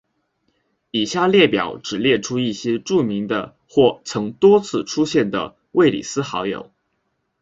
以下列表只列出一些著名的或曾多次出现的卫斯理好友。